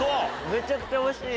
めちゃくちゃおいしい。